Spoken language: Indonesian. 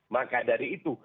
maka dari itu